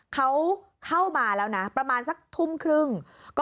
เขาเข้ามาแล้วนะประมาณสักทุ่มครึ่ง